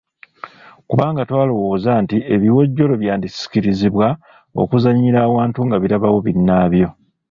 Kubanga twalowooza nti ebiwojjolo byandisikirizibwa okuzannyira awantu nga birabawo binnaabyo.